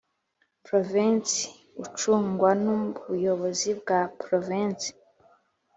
Provensi ucungwa n ubuyobozi bwa Provensi